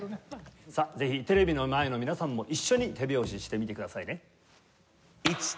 さあぜひテレビの前の皆さんも一緒に手拍子してみてくださいね。